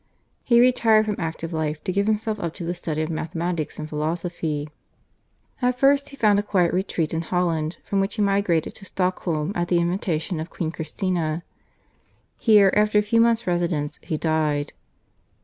He retired from active life to give himself up to the study of mathematics and philosophy. At first he found a quiet retreat in Holland, from which he migrated to Stockholm at the invitation of Queen Christina. Here after a few months' residence he died.